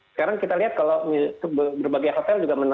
sekarang kita lihat kalau berbagai hotel juga menarik